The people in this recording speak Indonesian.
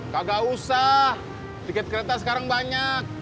kagak usah tiket kereta sekarang banyak